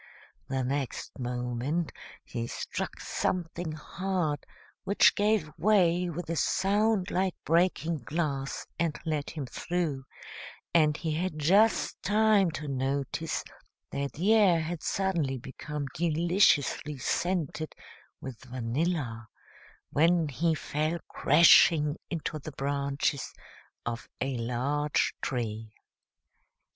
The next moment he struck something hard, which gave way with a sound like breaking glass and let him through, and he had just time to notice that the air had suddenly become deliciously scented with vanilla, when he fell crashing into the branches of a large tree.